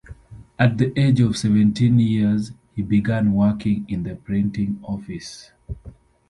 At the age of seventeen years he began working in the printing-office.